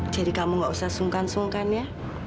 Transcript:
jadi kamu nggak usah sungkan sungkan ya